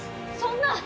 そんな。